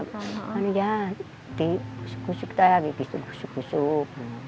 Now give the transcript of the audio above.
bapaknya ya dikusuk kusuk